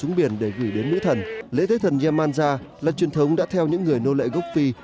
trong bãi biển để gửi đến nữ thần lễ tế thần yemanja là truyền thống đã theo những người nô lệ gốc phi